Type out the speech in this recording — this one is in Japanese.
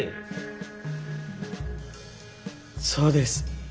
そうです。